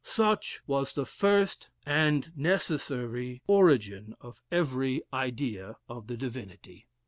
"Such was the first and necessary origin of every idea of the divinity...."